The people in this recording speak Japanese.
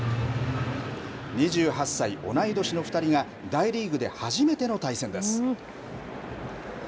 ２８歳、同い年の２人が、大リーグで初めての対戦です。